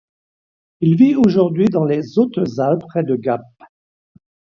Il vit aujourd’hui dans les Hautes-Alpes près de Gap.